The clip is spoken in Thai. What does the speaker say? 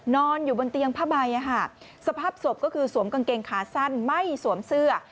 นอนอยู่บนเตียงผ้าใบสภาพศพก็คือสวมกางเกงขาสั้นไม่สวมเสื้อ